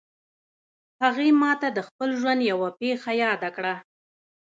هغې ما ته د خپل ژوند یوه پېښه یاده کړه